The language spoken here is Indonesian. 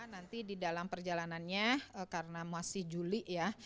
nanti di dalam perjalanannya karena masih juli ya